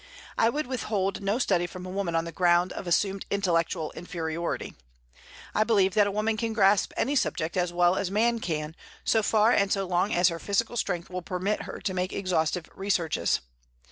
I would withhold no study from a woman on the ground of assumed intellectual inferiority. I believe that a woman can grasp any subject as well as a man can, so far and so long as her physical strength will permit her to make exhaustive researches.